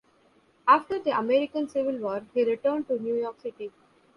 After the American Civil War he returned to New York City.